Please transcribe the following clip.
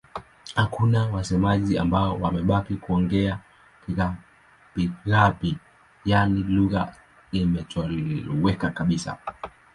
Hakuna wasemaji ambao wamebaki kuongea Kigabi-Gabi, yaani lugha imetoweka kabisa.